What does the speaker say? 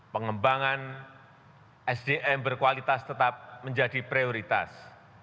pengembangan sdm berkualitas tetap menjadi prioritas